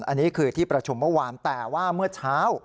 อันนี้คือที่ประชุมเมื่อวานแต่ว่าเมื่อเช้า